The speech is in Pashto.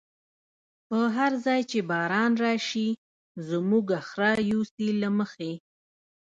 په هر ځای چی باران راشی، زمونږ خره یوسی له مخی